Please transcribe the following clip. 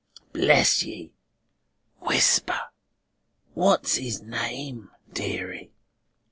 "Bless ye! Whisper. What's his name, deary?"